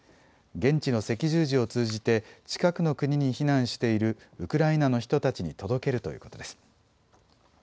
現地の赤十字を通じて近くの国に避難しているウクライナの人たちに届けるということです。